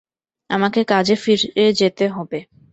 আমাকে কাজে ফিরে যেতে হবে।